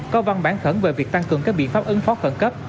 có văn bản khẩn về việc tăng cường các biện pháp ứng phó khẩn cấp